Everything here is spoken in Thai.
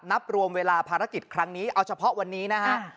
นับรวมเวลาภารกิจครั้งนี้เอาเฉพาะวันนี้นะฮะ